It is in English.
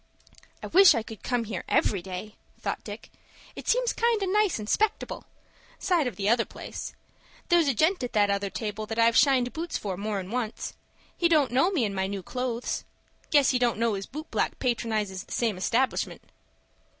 "I wish I could come here every day," thought Dick. "It seems kind o' nice and 'spectable, side of the other place. There's a gent at that other table that I've shined boots for more'n once. He don't know me in my new clothes. Guess he don't know his boot black patronizes the same establishment."